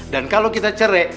dan kalo kita cerai